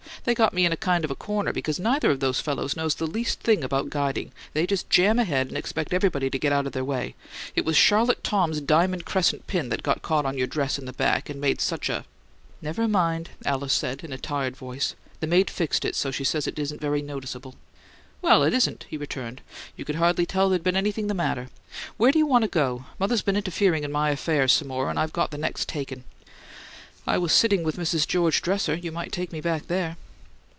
"They got me in a kind of a corner, because neither of those fellows knows the least thing about guiding; they just jam ahead and expect everybody to get out of their way. It was Charlotte Thom's diamond crescent pin that got caught on your dress in the back and made such a " "Never mind," Alice said in a tired voice. "The maid fixed it so that she says it isn't very noticeable." "Well, it isn't," he returned. "You could hardly tell there'd been anything the matter. Where do you want to go? Mother's been interfering in my affairs some more and I've got the next taken." "I was sitting with Mrs. George Dresser. You might take me back there."